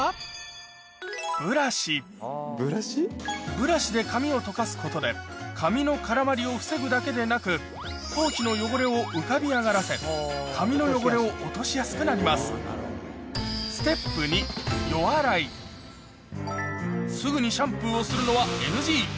ブラシで髪をとかすことで髪の絡まりを防ぐだけでなく頭皮の汚れを浮かび上がらせ髪の汚れを落としやすくなりますをするのはＮＧ